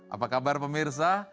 apa kabar pemirsa